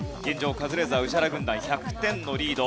カズレーザー＆宇治原軍団１００点のリード。